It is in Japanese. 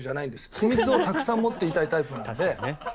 秘密をたくさん持っていたいタイプなので。